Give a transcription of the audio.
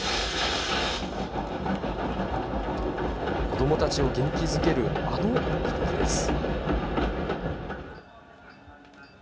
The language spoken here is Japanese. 子どもたちを元気づける、あの汽笛です。